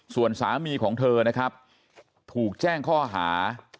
ส่วนสามีของเธอนะครับถูกแจ้งข้อหา